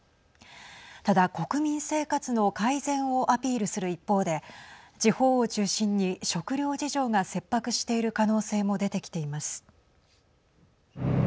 ただ、国民生活の改善をアピールする一方で地方を中心に食料事情が切迫している可能性も出てきています。